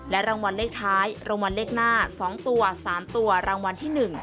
รางวัลเลขท้ายรางวัลเลขหน้า๒ตัว๓ตัวรางวัลที่๑